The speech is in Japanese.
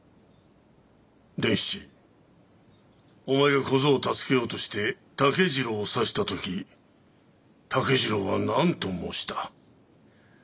伝七お前が小僧を助けようとして竹次郎を刺した時竹次郎は何と申した？